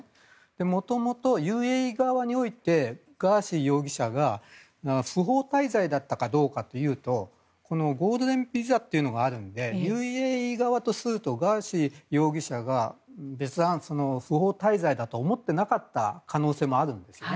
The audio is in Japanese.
元々、ＵＡＥ側においてガーシー容疑者が不法滞在だったかどうかというとゴールデンビザというのがあるのでＵＡＥ側とするとガーシー容疑者が別段、不法滞在だと思ってなかった可能性があるんですね。